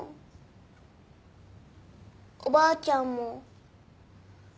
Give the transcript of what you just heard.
おばあちゃんも。